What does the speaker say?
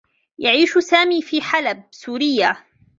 يعيش سامي في حلب، سوريا.